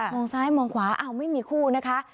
งซ้ายมองขวาอ้าวไม่มีคู่นะคะ